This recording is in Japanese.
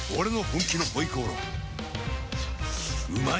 うまい！